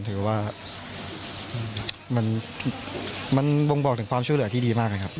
ถือว่ามันบ่งบอกถึงความช่วยเหลือที่ดีมากเลยครับ